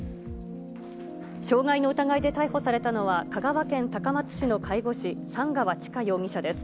傷害の疑いで逮捕されたのは、香川県高松市の介護士、寒川知佳容疑者です。